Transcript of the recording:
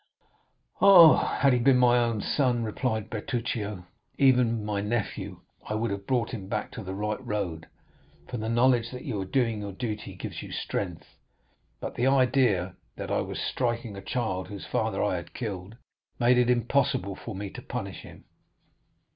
"Oh, had he been my own son," replied Bertuccio, "or even my nephew, I would have brought him back to the right road, for the knowledge that you are doing your duty gives you strength, but the idea that I was striking a child whose father I had killed, made it impossible for me to punish him.